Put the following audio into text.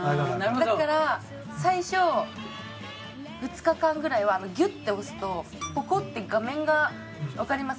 だから最初２日間ぐらいはギュッて押すとポコッて画面がわかります？